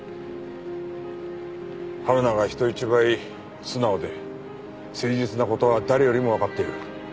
はるなが人一倍素直で誠実な事は誰よりもわかっている。